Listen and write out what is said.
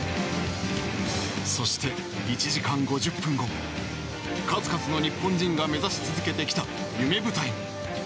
そして、１時間５０分後数々の日本人が目指し続けてきた夢舞台。